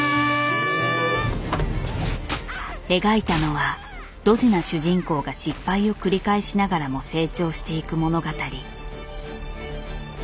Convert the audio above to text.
描いたのはドジな主人公が失敗を繰り返しながらも成長していく物語。